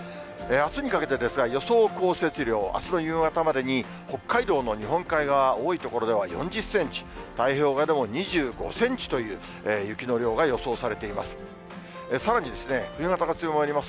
あすにかけてですが、予想降雪量、あすの夕方までに北海道の日本海側、多い所では４０センチ、太平洋側でも２５センチという雪の量が予想されています。